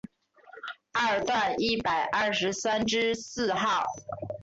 二段一百二十三之四号